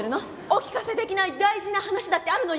お聞かせできない大事な話だってあるのよ！